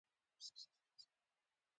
د جرمني خلک رښتیا هم ډېر زیارکښ او نوښتګر وو